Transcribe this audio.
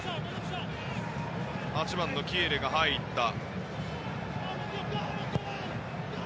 ８番のキエレが入りました。